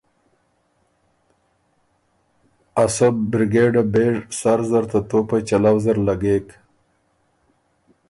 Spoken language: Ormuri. ا سۀ برګېډه بېژ سر زر ته توپئ چلؤ زر لګېک